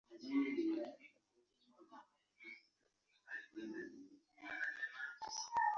Embuzi tuzirundira ku ttaka ddene bulungi.